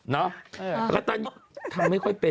เนอะอักตันยูทำไม่ค่อยเป็น